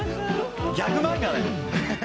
ギャグ漫画だ。